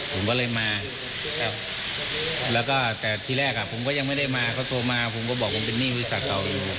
ผมก็เลยมาครับแล้วก็แต่ที่แรกผมก็ยังไม่ได้มาเขาโทรมาผมก็บอกผมเป็นหนี้บริษัทเก่าอยู่